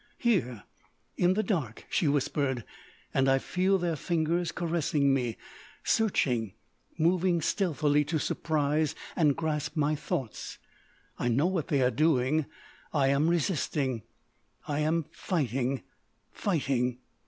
"Here—in the dark," she whispered—"and I feel their fingers caressing me—searching—moving stealthily to surprise and grasp my thoughts.... I know what they are doing.... I am resisting.... I am fighting—fighting!"